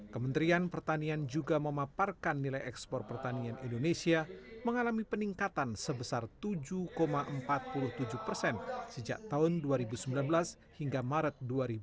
kementerian pertanian juga memaparkan nilai ekspor pertanian indonesia mengalami peningkatan sebesar tujuh empat puluh tujuh persen sejak tahun dua ribu sembilan belas hingga maret dua ribu dua puluh